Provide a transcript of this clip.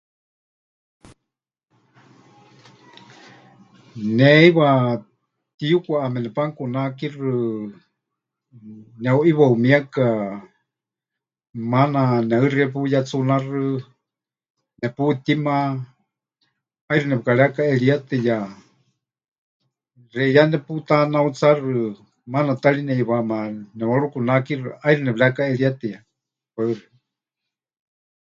Ne heiwa tiyukwaʼaame nepanukunakixɨ neheuʼiwaumieka, maana nehɨxie puyetsunáxɨ, neputíma, ʼaixɨ nepɨkarekaʼeríetɨya, xeiyá neputanautsaxɨ, maana ta ri neʼiwaáma nemɨwarukunakixɨ ʼaixɨ nepɨrekaʼerietɨya. Paɨ xeikɨ́a.